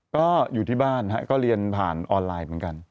ก็อยู่ที่บ้านฮะก็เรียนผ่านออนไลน์เหมือนกัน